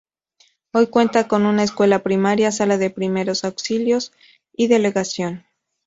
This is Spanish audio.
Hoy cuenta con una escuela primaria, sala de primeros auxilios y delegación.